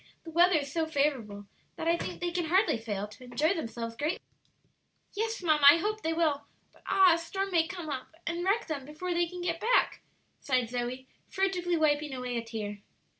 "The weather is so favorable, that I think they can hardly fail to enjoy themselves greatly." "Yes, mamma, I hope they will; but ah, a storm may come and wreck them before they can get back," sighed Zoe, furtively wiping away a tear.